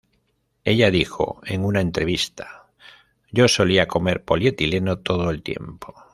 Ella dijo en una entrevista: "Yo solía comer polietileno todo el tiempo.